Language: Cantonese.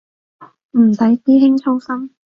唔使師兄操心